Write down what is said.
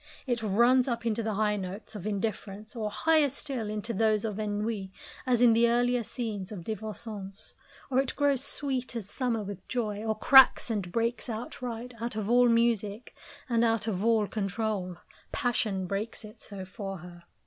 It runs up into the high notes of indifference, or, higher still, into those of ennui, as in the earlier scenes of Divorcons; or it grows sweet as summer with joy, or cracks and breaks outright, out of all music, and out of all control. Passion breaks it so for her.